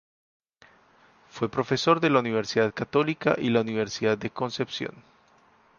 Fue profesor de la Universidad Católica y la Universidad de Concepción.